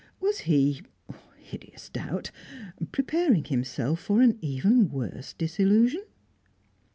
Was he hideous doubt preparing himself for an even worse disillusion?